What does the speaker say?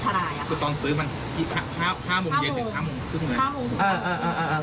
ก็ตอนซื้อมันห้าห้าโมงเย็นหรือห้าโมงห้าโมงห้าโมงอ่าอ่าอ่าอ่าอ่า